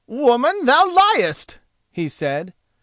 "Woman, thou liest!" he said.